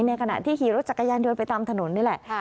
ขณะที่ขี่รถจักรยานยนต์ไปตามถนนนี่แหละ